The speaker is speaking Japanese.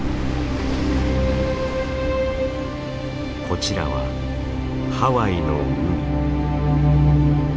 こちらはハワイの海。